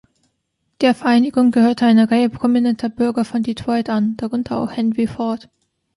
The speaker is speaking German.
Der Vereinigung gehörte eine Reihe prominenter Bürger von Detroit an, darunter auch Henry Ford.